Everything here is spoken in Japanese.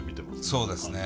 そうですね。